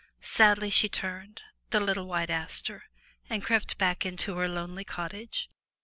Sadly she turned — the little White Aster — and crept back into her lonely cottage.